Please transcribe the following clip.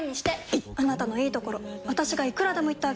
いっあなたのいいところ私がいくらでも言ってあげる！